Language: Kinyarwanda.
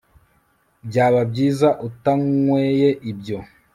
byaba byiza utanyweye ibyo